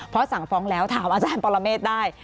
เพราะสั่งฟ้องแล้วถามอาจารย์ปรเมฆได้